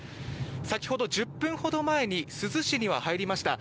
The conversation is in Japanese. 先ほど１０分ほど前に珠洲市には入りました。